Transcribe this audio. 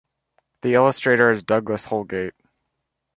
The illustrator is Douglas Holgate.